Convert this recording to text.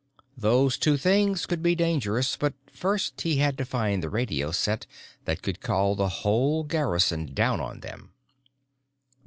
Those two things could be dangerous but first he had to find the radio set that could call the whole garrison down on them.